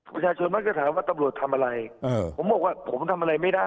ประชาชนมักจะถามว่าตำรวจทำอะไรผมบอกว่าผมทำอะไรไม่ได้